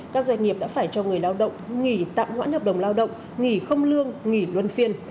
các doanh nghiệp đã phải cho người lao động nghỉ tạm hoãn hợp đồng lao động nghỉ không lương nghỉ luân phiên